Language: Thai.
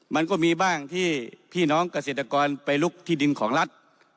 มันก็มีบ้างที่พี่น้องเกษตรกรไปลุกที่ดินของรัฐ